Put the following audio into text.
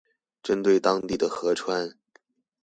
針對當地的河川